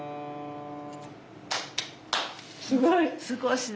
すごい。